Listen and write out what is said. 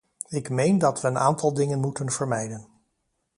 Ik meen dat we een aantal dingen moeten vermijden.